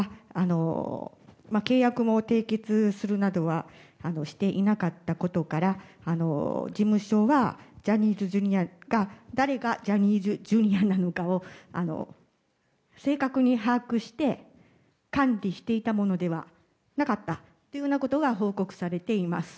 契約も締結するなどはしていなかったことから事務所は誰がジャニーズＪｒ．なのかを正確に把握して管理していたものではなかったということが報告されています。